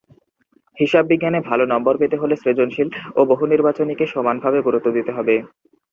হিসাববিজ্ঞানে ভালো নম্বর পেতে হলে সৃজনশীল ও বহুনির্বাচনিকে সমানভাবে গুরুত্ব দিতে হবে।